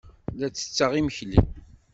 La ttetteɣ imekli.